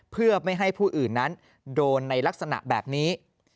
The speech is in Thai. เพื่อไม่ให้ผู้อื่นนั้นโดนในลักษณะแบบนี้